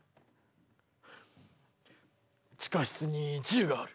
地下室に銃がある。